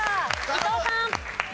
伊藤さん。